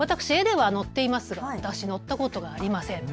私、絵では乗っていますが私乗ったことがありません。